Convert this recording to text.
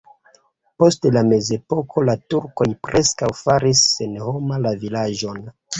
Post la mezepoko la turkoj preskaŭ faris senhoma la vilaĝon.